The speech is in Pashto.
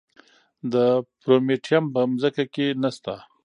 د پرومیټیم په ځمکه کې نه شته.